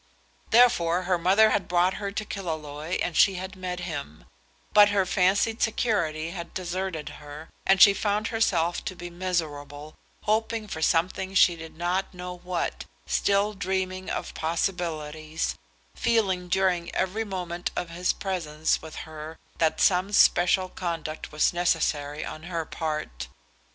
Therefore her mother had brought her to Killaloe and she had met him; but her fancied security had deserted her, and she found herself to be miserable, hoping for something she did not know what, still dreaming of possibilities, feeling during every moment of his presence with her that some special conduct was necessary on her part.